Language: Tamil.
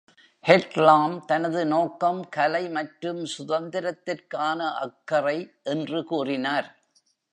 ஹெட்லாம் தனது நோக்கம் "கலை மற்றும் சுதந்திரத்திற்கான அக்கறை" என்று கூறினார்.